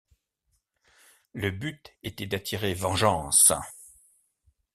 Le but était d'attirer Vengeance.